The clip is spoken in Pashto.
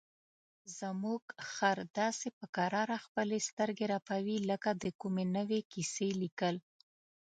زموږ خر داسې په کراره خپلې سترګې رپوي لکه د کومې نوې کیسې لیکل.